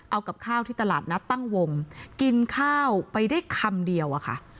เอากับข้าวที่ตลาดนัดตั้งวงกินข้าวไปได้คำเดียวอะค่ะ